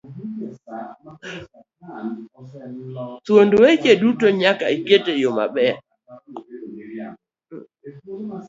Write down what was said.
thuond weche duto nyaka iket eyo maler